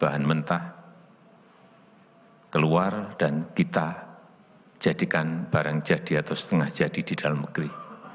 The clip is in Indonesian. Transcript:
bahan mentah keluar dan kita jadikan barang jadi atau setengah jadi di dalam negeri